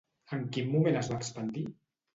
En quin moment es va expandir?